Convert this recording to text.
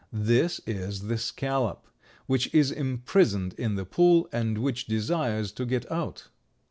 This is the scallop, which is imprisoned in the pool and which desires to get out.